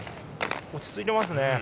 落ち着いていますね。